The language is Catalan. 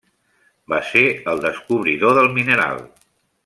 Va ser el descobridor del mineral.